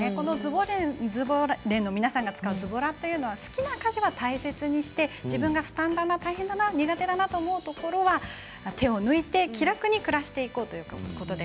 ズボ連の皆さんが使うズボラというのは好きな家事は大切にして負担だな、苦手だなと思うところは手を抜いて、気楽に暮らしていこうということなんです。